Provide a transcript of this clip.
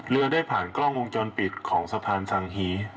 เรือได้ผ่านกล้องวงจรปิดของสะพานสังฮี